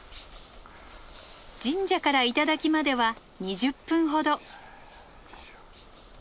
神社から頂までは２０分ほど。